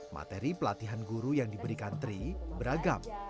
materi pelatihan guru yang diberikan tri beragam